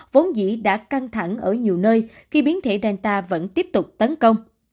vốn dĩ đã căng thẳng ở nhiều nơi khi biến thể danta vẫn tiếp tục tấn công